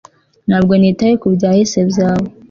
ntabwo nitaye ku byahise byawe